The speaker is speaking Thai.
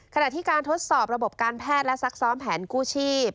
ขณะที่การทดสอบระบบการแพทย์และซักซ้อมแผนกู้ชีพ